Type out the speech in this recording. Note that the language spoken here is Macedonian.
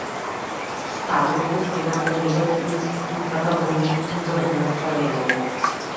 Стариот го крена погледот и од светилката во нив му гргна црвенило.